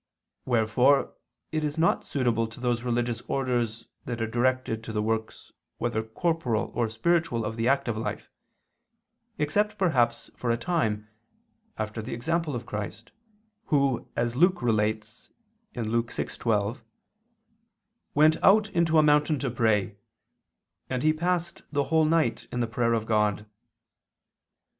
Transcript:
Wherefore it is not suitable to those religious orders that are directed to the works whether corporal or spiritual of the active life; except perhaps for a time, after the example of Christ, Who as Luke relates (6:12), "went out into a mountain to pray; and He passed the whole night in the prayer of God."